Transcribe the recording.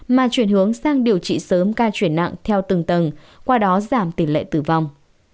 mà chuyển hướng sang điều trị sớm ca chuyển nặng theo từng tầng qua đó giảm tỷ lệ tử vong